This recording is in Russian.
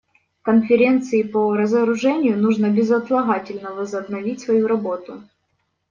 Конференции по разоружению нужно безотлагательно возобновить свою работу.